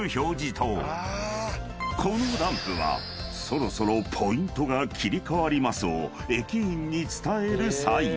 ［このランプは「そろそろポイントが切り替わります」を駅員に伝えるサイン］